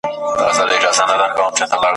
چي تر منځ به مو طلاوي وای وېشلي ,